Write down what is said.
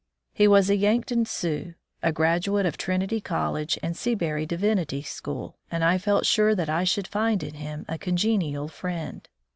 He was a Yankton Sioux, a graduate of Trinity College and Seabury Divinity School, and I felt sure that I should find in him a congenial friend.